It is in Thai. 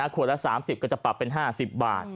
ขวดละ๓๐ก็จะปรับเป็น๕๐บาท